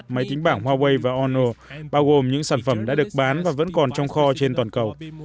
máy tính bảng huawei và ono bao gồm những sản phẩm đã được bán và vẫn còn trong kho trên toàn cầu